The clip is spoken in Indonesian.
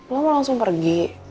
lo mau langsung pergi